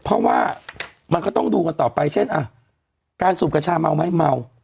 เพราะว่ามันก็ต้องดูกันต่อไปเช่นอ่ะการสูบกัญชาเมาไหมเมา